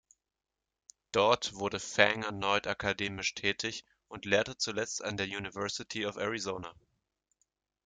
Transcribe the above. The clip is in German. Dort wurde Fang erneut akademisch tätig und lehrte zuletzt an der University of Arizona.